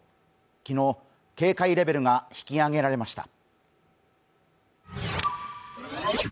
昨日、警戒レベルが引き上げられました。